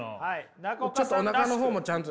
ちょっとおなかの方もちゃんと。